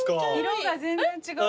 色が全然違う。